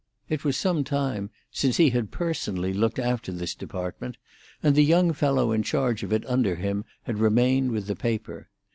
It was some time since he had personally looked after this department, and the young fellow in charge of it under him had remained with the paper.